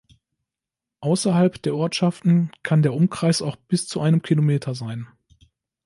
Außerhalb der Ortschaften kann der Umkreis auch bis zu einem Kilometer sein.